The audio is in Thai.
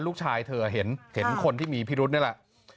ลูกชายเธอเห็นคนที่มีพิรุธนี่แหละ